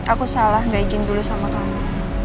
aku salah gak izin dulu sama kamu